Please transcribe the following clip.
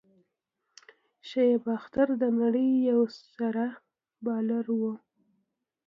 شعیب اختر د نړۍ یو سريع بالر وو.